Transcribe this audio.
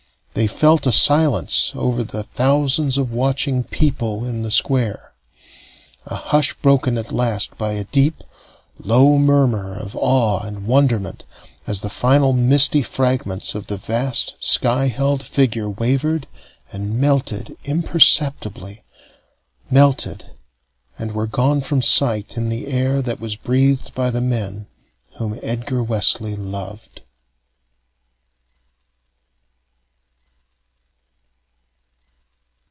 They felt a silence over the thousands of watching people in the Square, a hush broken at last by a deep, low murmur of awe and wonderment as the final misty fragments of the vast sky held figure wavered and melted imperceptibly melted and were gone from sight in the air that was breathed by the men whom Edgar Wesley loved.